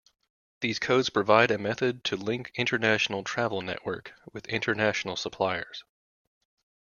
These codes provide a method to link international travel network with international suppliers.